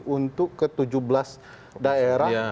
untuk ke tujuh belas daerah